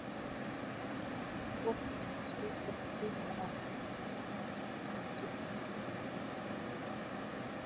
Darfur huko Sudan chini ya Umoja wa AfrikaNigeria hukadiriwa kuwa